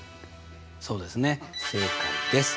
そうですね正解です。